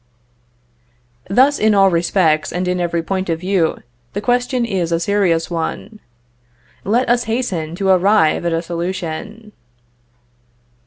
Thus in all respects, and in every point of view, the question is a serious one. Let us hasten to arrive at a solution.